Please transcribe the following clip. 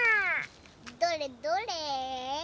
どれどれ？